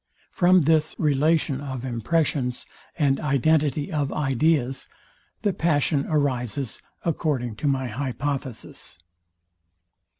From this relation of impressions, and identity of ideas, the passion arises, according to my hypothesis.